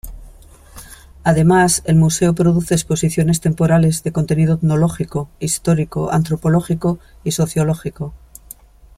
Además, el Museo produce exposiciones temporales de contenido etnológico, histórico, antropológico y sociológico.